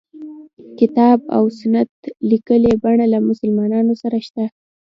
کتاب او سنت لیکلي بڼه له مسلمانانو سره شته.